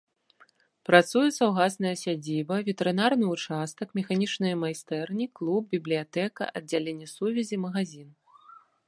Працуе саўгасная сядзіба, ветэрынарны ўчастак, механічныя майстэрні, клуб, бібліятэка, аддзяленне сувязі, магазін.